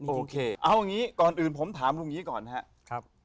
โอเคเอาอย่างนี้ก่อนอื่นผมถามลุงอย่างนี้ก่อนนะครับ